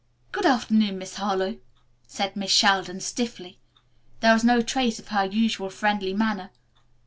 "Good afternoon, Miss Harlowe," said Miss Sheldon stiffly. There was no trace of her usual friendly manner.